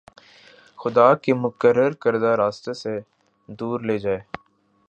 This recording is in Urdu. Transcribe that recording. خدا کے مقرر کردہ راستے سے دور لے جائے